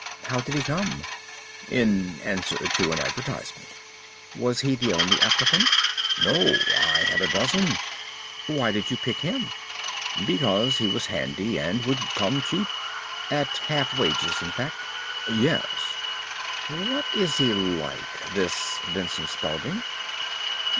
"How did he come?" "In answer to an advertisement." "Was he the only applicant?" "No, I had a dozen." "Why did you pick him?" "Because he was handy and would come cheap." "At half wages, in fact." "Yes." "What is he like, this Vincent Spaulding?"